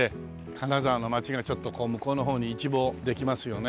金沢の街がちょっとこう向こうの方に一望できますよね。